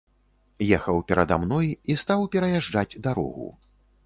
Ехаў перада мной і стаў пераязджаць дарогу.